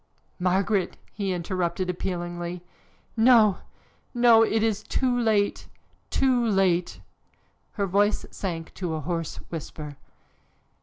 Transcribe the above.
"Margaret!" he interrupted appealingly. "No! no! It is too late, too late!" Her voice sank to a hoarse whisper.